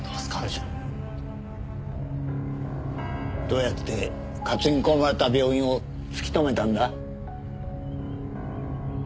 どうやって担ぎ込まれた病院を突き止めたんだ？